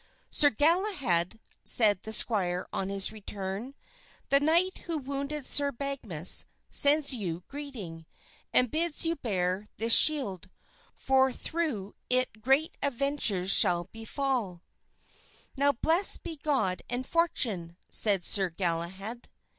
"Sir Galahad," said the squire on his return, "the knight who wounded Sir Badgemagus sends you greeting, and bids you bear this shield, for through it great adventures shall befall." "Now blessed be God and fortune," said Sir Galahad.